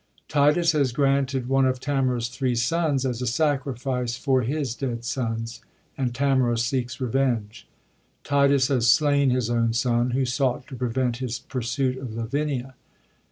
Titus has granted one of Tamora's three sons as a sacrifice for his dead sons, and Tamora seeks revenge. Titus has slain his own son, who sought to prevent his pursuit of Lavinia.